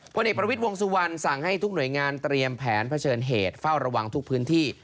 เอกประวิทย์วงสุวรรณสั่งให้ทุกหน่วยงานเตรียมแผนเผชิญเหตุเฝ้าระวังทุกพื้นที่